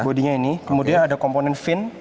bodinya ini kemudian ada komponen fin